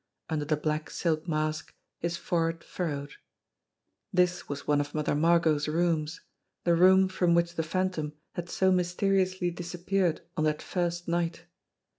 Under the black silk mask his forehead furrowed. This was one of Mother Margot's rooms the room from which the Phantom had so mysteri ously disappeared on that first night.